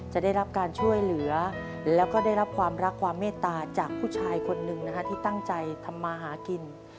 จะได้รับการช่วยเหลือแล้วก็ได้รับความรักความเมตตาจากผู้ชายคนหนึ่งนะฮะที่ตั้งใจทำมาหากิน